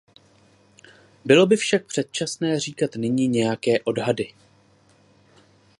Bylo by však předčasné říkat nyní nějaké odhady.